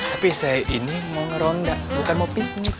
tapi saya ini mau ngeronda bukan mau piknik